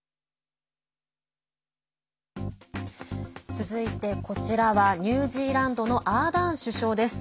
続いて、こちらはニュージーランドのアーダーン首相です。